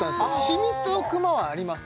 シミとクマはあります